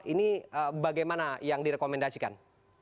ini bagaimana yang direkomendasikan